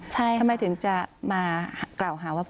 ใช่ค่ะค่ะ